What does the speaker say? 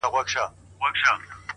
ټولنه خپل عيب نه مني تل,